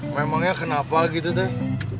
memangnya kenapa gitu teh